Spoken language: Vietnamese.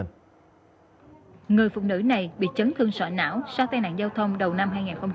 người phụ nữ này bị chấn thương sọ não sau tai nạn giao thông đầu năm hai nghìn một